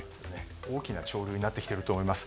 大きな潮流になってきていると思います。